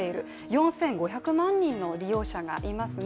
４５００万人の利用者がいますね。